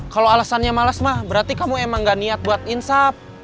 kalau alasannya males mah berarti kamu emang nggak niat buat insap